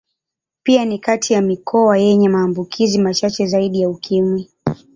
Pia ni kati ya mikoa yenye maambukizi machache zaidi ya Ukimwi.